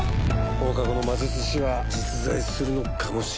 放課後の魔術師は実在するのかもしれません。